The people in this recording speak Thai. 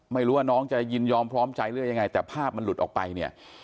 ไม่รู้ว่าน้องจะยินยอมพร้อมใจหรือยังไงแต่ภาพมันหลุดออกไปเนี่ย